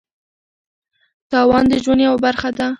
تاوان د ژوند یوه برخه ده.